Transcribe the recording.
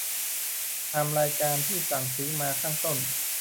ตามรายการที่สั่งซื้อมาข้างต้น